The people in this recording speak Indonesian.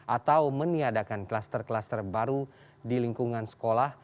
atau meniadakan kluster kluster baru di lingkungan sekolah